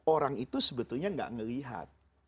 orang itu sebetulnya gak ngelihat